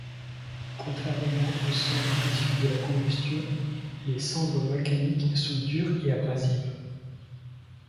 Contrairement aux cendres issues de la combustion, les cendres volcaniques sont dures et abrasives.